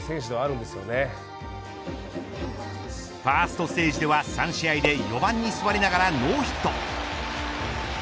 ファーストステージでは３試合で４番に座りながらノーヒット。